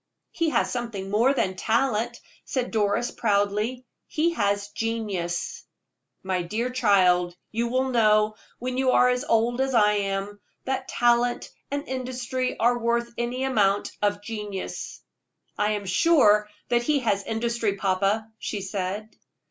"He has something more than talent," said Doris, proudly; "he has genius." "My dear child, you will know, when you are as old as I am, that talent and industry are worth any amount of genius." "I am sure that he has industry, papa," she said.